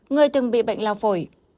người từng bị bệnh lao phổi